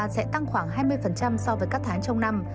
sẽ tăng khoảng hai mươi so với các tháng trong năm